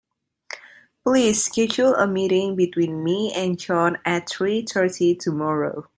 Please schedule a meeting between me and John at three thirty tomorrow.